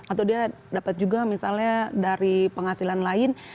atau dia dapat juga misalnya dari penghasilan lain